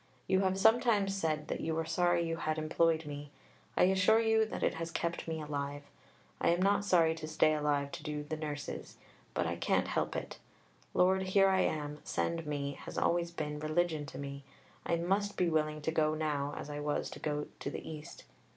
You have sometimes said that you were sorry you had employed me. I assure you that it has kept me alive. I am sorry not to stay alive to do the "Nurses." But I can't help it. "Lord, here I am, send me" has always been religion to me. I must be willing to go now as I was to go to the East.